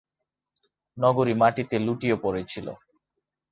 নগরী মাটিতে লুটিয়ে পড়েছিল।